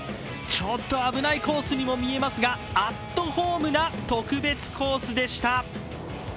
ちょっと危ないコースにも見えますが、アットホームな特別コースでした。